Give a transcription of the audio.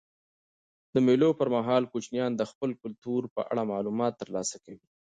د مېلو پر مهال کوچنيان د خپل کلتور په اړه معلومات ترلاسه کوي.